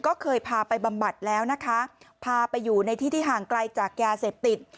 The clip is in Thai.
ก็เคยพาไปบำบัดแล้วนะคะพาไปอยู่ในที่ที่ห่างไกลจากยาเสพติด